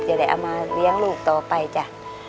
จะได้เอามาเลี้ยงลูกต่อไปจ้ะ